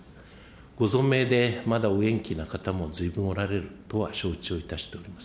ご存命でまだお元気な方もまだずいぶんおられるとは承知をいたしております。